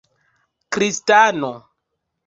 kristano